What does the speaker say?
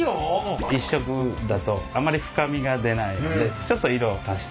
１色だとあまり深みが出ないのでちょっと色を足して。